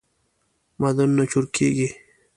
معدنونه چورکیږی